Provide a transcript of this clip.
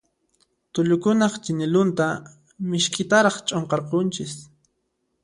Tullukunaq chinillunta misk'itaraq ch'unqarqunchis.